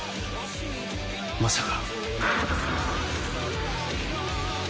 まさか。